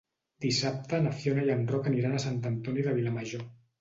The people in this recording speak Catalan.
Dissabte na Fiona i en Roc aniran a Sant Antoni de Vilamajor.